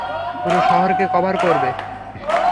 পুরো শহরকে কভার করবে।